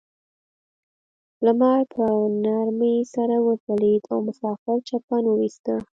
لمر په نرمۍ سره وځلید او مسافر چپن وویسته.